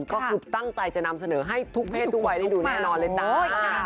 ก็คือตั้งใจจะนำเสนอให้ทุกเพศทุกวัยได้ดูแน่นอนเลยจ้า